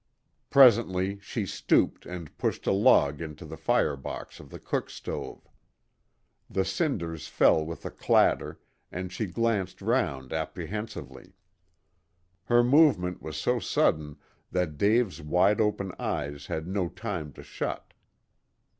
Presently she stooped and pushed a log into the fire box of the cook stove. The cinders fell with a clatter, and she glanced round apprehensively. Her movement was so sudden that Dave's wide open eyes had no time to shut.